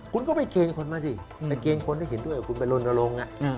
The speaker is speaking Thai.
คุณก็ไปเกณฑ์คนมาสิไปเกณฑ์คนที่เห็นด้วยคุณไปลนลง